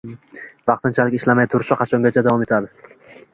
Vaqtinchalik ishlamay turishi qachongacha davom etadi?